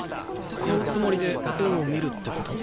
買うつもりで絵を見るってこと？